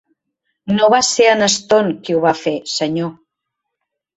No va ser en Stone qui ho va fer, senyor.